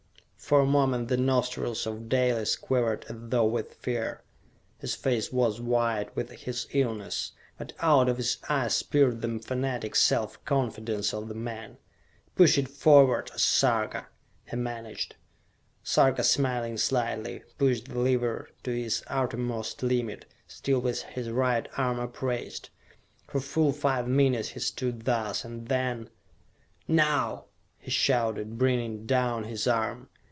For a moment the nostrils of Dalis quivered as though with fear. His face was white with his illness; but out of his eyes peered the fanatic self confidence of the man. "Push it forward, O Sarka!" he managed. Sarka, smiling slightly, pushed the lever to its uttermost limit, still with his right arm upraised. For full five minutes he stood thus, and then.... "Now!" he shouted, bringing down his arm.